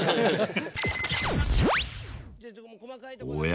おや？